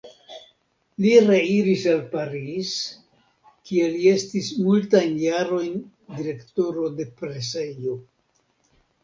Li reiris al Paris, kie li estis multajn jarojn direktoro de presejo.